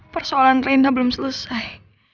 persoalan renda belum selesai